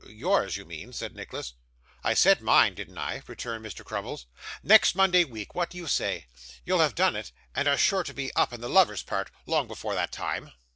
'Yours, you mean,' said Nicholas. 'I said mine, didn't I?' returned Mr. Crummles. 'Next Monday week. What do you say? You'll have done it, and are sure to be up in the lover's part, long before that time.